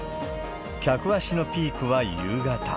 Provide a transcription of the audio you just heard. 客足のピークは夕方。